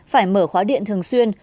phải mở khóa điện thường xuyên